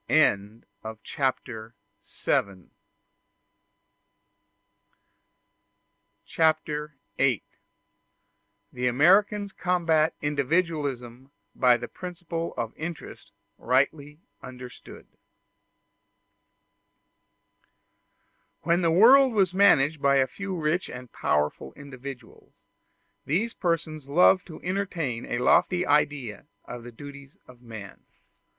Chapter VIII: The Americans Combat Individualism By The Principle Of Interest Rightly Understood When the world was managed by a few rich and powerful individuals, these persons loved to entertain a lofty idea of the duties of man.